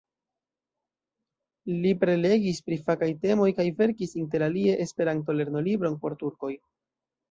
Li prelegis pri fakaj temoj kaj verkis interalie Esperanto-lernolibron por turkoj.